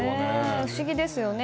不思議ですよね。